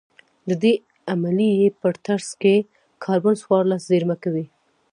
د دې عملیې په ترڅ کې کاربن څوارلس زېرمه کوي